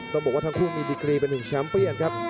ต้องบอกว่าทั้งคู่มีดีกรีเป็นถึงแชมป์เปี้ยนครับ